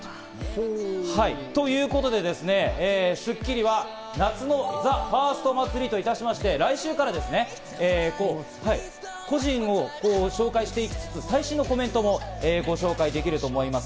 ということで、『スッキリ』は夏のＴＨＥＦＩＲＳＴ祭りといたしまして来週から個人を紹介していきつつ、最新のコメントもご紹介できると思います。